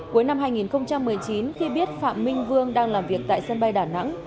cuối năm hai nghìn một mươi chín khi biết phạm minh vương đang làm việc tại sân bay đà nẵng